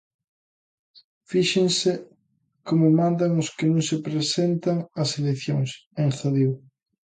"Fíxense como mandan os que non se presentan ás eleccións", engadiu.